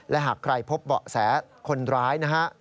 และหากใครพบเบาะแสคนร้ายนะฮะ